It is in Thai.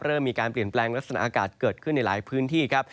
เริ่มมีการเปลี่ยนแปลงลักษณะอากาศเกิดขึ้นในหลายพื้นที่ครับ